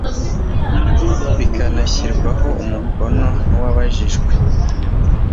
bikanashyirwaho umukono n uwabajijwe